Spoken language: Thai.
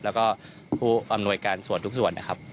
แล้วก็ผู้อำนวยการส่วนทุกส่วนนะครับ